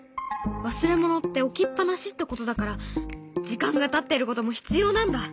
忘れ物って置きっ放しってことだから時間がたってることも必要なんだ。